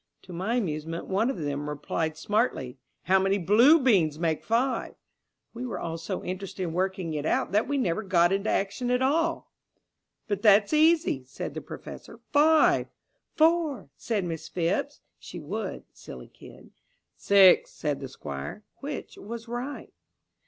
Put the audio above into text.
To my amusement one of them replied smartly, 'How many blue beans make five?' We were all so interested in working it out that we never got into action at all." "But that's easy," said the Professor. "Five." "Four," said Miss Phipps. (She would. Silly kid!) "Six," said the Squire. Which was right?